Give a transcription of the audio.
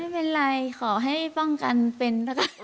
ไม่เป็นไรขอให้ป้องกันเป็น